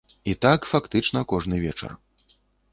І так фактычна кожны вечар.